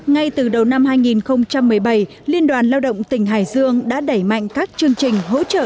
ngay từ đầu năm hai nghìn một mươi bảy liên đoàn lao động tỉnh hải dương đã đẩy mạnh các chương trình hỗ trợ